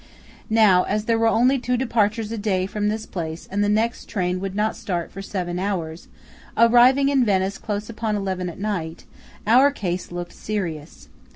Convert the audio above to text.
Now as there were only two departures a day from this place and the next train would not start for seven hours, arriving in Venice close upon eleven at night, our case looked serious.